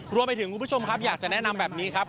คุณผู้ชมครับอยากจะแนะนำแบบนี้ครับ